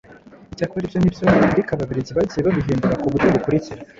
Icyakora ibyo ni byo, ariko Ababiligi bagiye babihindura ku buryo bukurikira